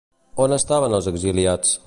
On estaven els exiliats?